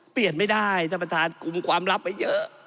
เปลี่ยนไม่ได้ท่านประธานกลุ่มความลับไว้เยอะ